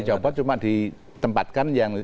dicopot cuma ditempatkan